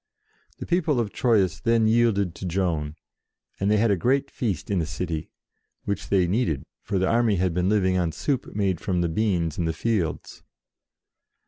The people of Troyes then yielded to Joan, and they had a great feast in the city, which they needed, for the army had been living on soup made from the beans in the fields.